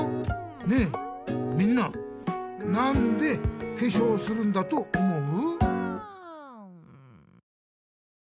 ねえみんななんでけしょうをするんだと思う？